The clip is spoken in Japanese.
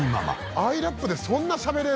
アイラップでそんなしゃべれる？